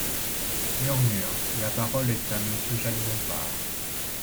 (Murmures.) La parole est à Monsieur Jacques Bompard.